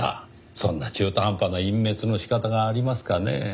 そんな中途半端な隠滅の仕方がありますかねぇ。